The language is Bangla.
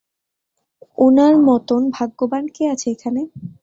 উনার মতোন ভাগ্যবান কে আছে এখানে।